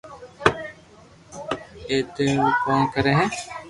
ايتي رڙ ڪون ڪري ھي